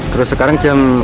terus sekarang jam